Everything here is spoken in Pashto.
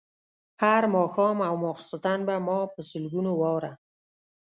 هر ماښام او ماخوستن به ما په سلګونو واره.